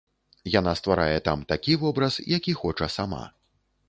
Яна стварае там такі вобраз, які хоча сама.